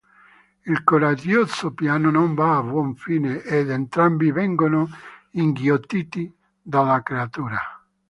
Il coraggioso piano non va a buon fine ed entrambi vengono inghiottiti dalla creatura.